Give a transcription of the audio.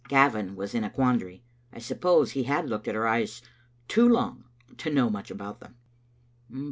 Gavin was in a quan dary. I suppose he had looked at her eyes too long to know much about them.